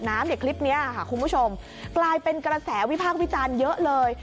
เนี่ยคลิปนี้ค่ะคุณผู้ชมกลายเป็นกระแสวิพากษ์วิจารณ์เยอะเลย